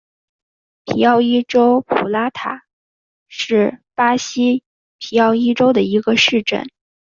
皮奥伊州普拉塔是巴西皮奥伊州的一个市镇。